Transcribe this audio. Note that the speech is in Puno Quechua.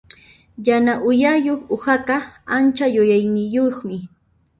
Yana uyayuq uhaqa ancha yuyayniyuqmi.